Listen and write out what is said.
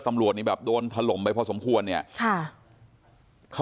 ตำรวจนี่แบบโดนถล่มไปพอสมควรเนี่ยค่ะเขา